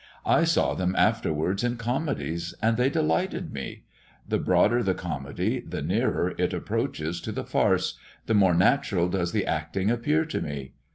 I saw them afterwards in comedies, and they delighted me. The broader the comedy, the nearer it approaches to the farce, the more natural does the acting appear to me.